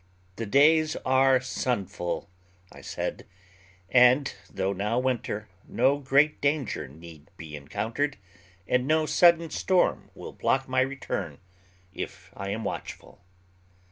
"The days are sunful," I said, "and, though now winter, no great danger need be encountered, and no sudden storm will block my return, if I am watchful."